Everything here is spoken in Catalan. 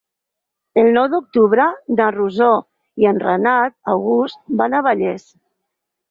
El nou d'octubre na Rosó i en Renat August van a Vallés.